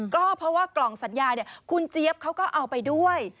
ก็เพราะว่ากล่องสัญญาคุณเจี๊ยบเขาก็เอาไปด้วย